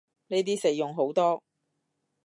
呢啲實用好多